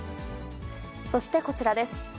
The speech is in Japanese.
そして、こちらです。